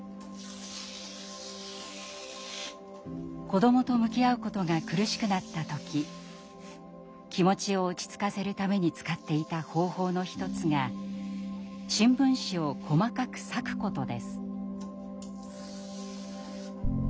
子どもと向き合うことが苦しくなった時気持ちを落ち着かせるために使っていた方法の一つが新聞紙を細かく裂くことです。